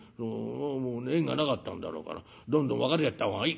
縁がなかったんだろうからどんどん別れちゃった方がいい。